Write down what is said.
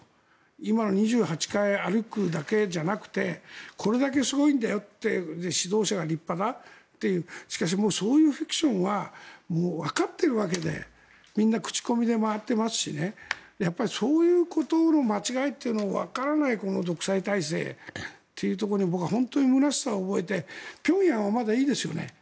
今の２８階歩くだけじゃなくてこれだけすごいんだよって指導者が立派だというしかし、そういうフィクションはもうわかっているわけでみんな口コミで回ってますしそういうことの間違いということをわからないこの独裁体制というところに僕は本当に空しさを覚えて平壌はまだいいですよね。